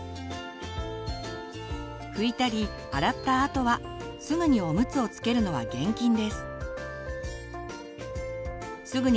拭いたり洗ったあとはすぐにおむつをつけるのは厳禁です。